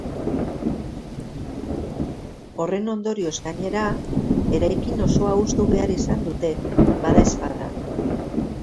Horren ondorioz, gainera, eraikin osoa hustu behar izan dute, badaezpada.